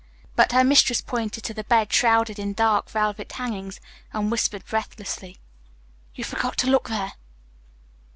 But her mistress pointed to the bed shrouded in dark velvet hangings, and whispered breathlessly, "You forgot to look there."